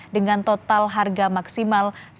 dengan total harga maksimal lima unit